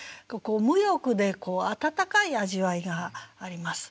無欲で温かい味わいがあります。